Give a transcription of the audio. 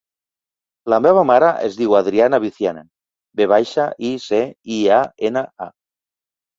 La meva mare es diu Adriana Viciana: ve baixa, i, ce, i, a, ena, a.